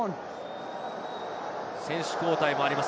選手交代もあります